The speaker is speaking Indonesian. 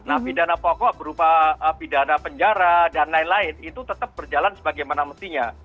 nah pidana pokok berupa pidana penjara dan lain lain itu tetap berjalan sebagaimana mestinya